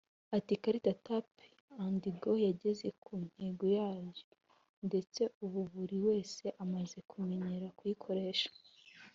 Ati “Ikarita ya Tap&Go yageze ku ntego zayo ndetse ubu buri wese amaze kumenyera kuyikoresha